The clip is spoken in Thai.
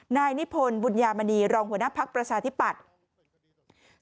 นายนิพนธ์บุญญามณีรองหัวหน้าภักดิ์ประชาธิปัตย์